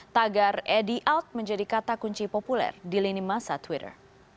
tagar edi out menjadi kata kunci populer di lini masa twitter